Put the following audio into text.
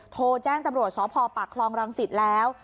โทรแจ้งตำรวจสพปากคลองรังสิตแล้ว